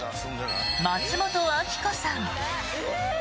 松本明子さん。